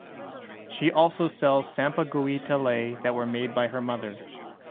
She also sell Sampaguita lei that were made by her mother.